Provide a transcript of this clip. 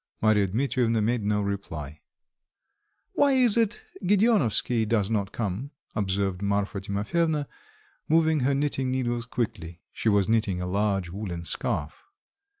Marya Dmitrievna made no reply. "Why is it Gedeonovsky does not come?" observed Marfa Timofyevna, moving her knitting needles quickly. (She was knitting a large woolen scarf.)